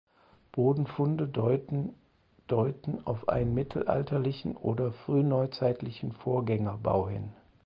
Bodenfunde deuten deuten auf einen mittelalterlichen oder frühneuzeitlichen Vorgängerbau hin.